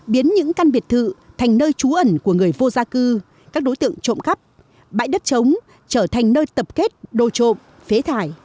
biến những căn biệt thự thành nơi trú ẩn của người vô gia cư các đối tượng trộm cắp bãi đất trống trở thành nơi tập kết đồ trộm phế thải